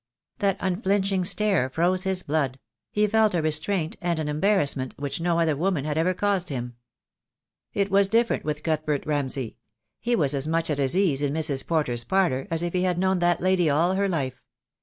That unflinching stare froze his blood; he felt a restraint and an embarrassment which no other woman had ever caused him. It was different with Cuthbert Ramsay. He was as much at his ease in Mrs. Porter's parlour as if he had known that lady all her life.